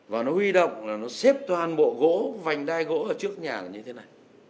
và nó huy động là nó xếp toàn bộ gỗ vành đai gỗ ở trước nhà là như thế này